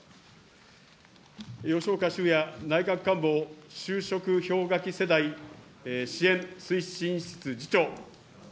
よしおかしゅうや内閣官房就職氷河期世代支援推進室次長。